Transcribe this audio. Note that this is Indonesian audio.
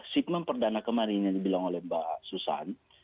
sipnom perdana kemarin yang dibilang oleh mbak susan